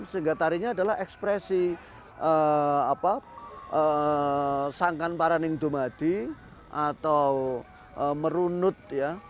sehingga tarinya adalah ekspresi sangkan paraning domadi atau merunut ya